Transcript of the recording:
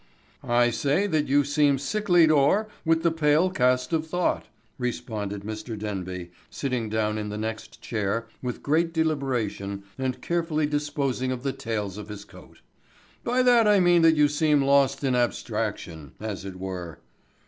"I say that you seem sicklied o'er with the pale cast of thought," responded Mr. Denby, sitting down in the next chair with great deliberation and carefully disposing of the tails of his coat. "By that I mean that you seem lost in abstraction, as it were."